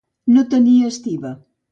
No tenir estiba.